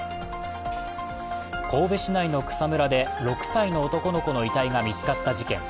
神戸市内の草むらで６歳の男の子の遺体が見つかった事件。